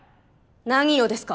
何をですか？